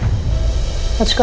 apa yang terjadi